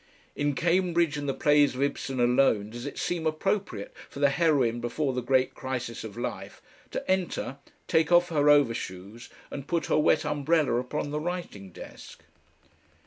In Cambridge and the plays of Ibsen alone does it seem appropriate for the heroine before the great crisis of life to "enter, take off her overshoes, and put her wet umbrella upon the writing desk."...